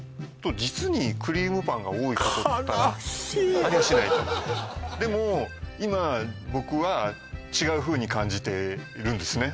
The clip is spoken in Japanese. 実にクリームパンが多い悲しいでも今僕は違うふうに感じているんですね